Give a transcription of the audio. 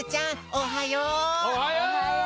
おはよう。